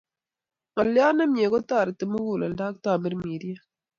Ngaliot nemie kotoreti muguleldo ak tamirmiriet